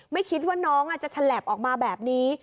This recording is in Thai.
ไม่คิดว่าน้องอาจจะฉลบออกมาแบบนี้